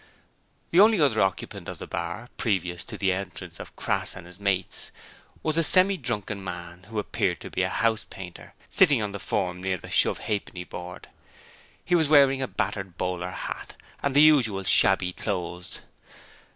The only other occupant of the public bar previous to the entrance of Crass and his mates was a semi drunken man, who appeared to be a house painter, sitting on the form near the shove ha'penny board. He was wearing a battered bowler hat and the usual shabby clothes.